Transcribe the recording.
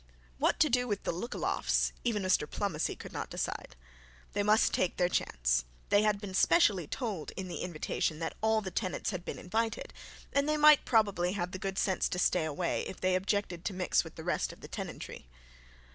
What to do with the Lookalofts even Mr Plomacy could not decide. They must take their chance. They had been specially told in the invitation that all the tenants had been invited; and they might probably have the good sense to stay away if they objected to mix with the rest of the tenantry.